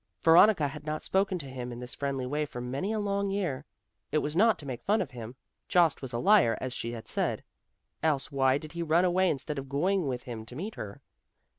Veronica had not spoken to him in this friendly way for many a long year. It was not to make fun of him, Jost was a liar as she had said; else why did he run away instead of going with him to meet her?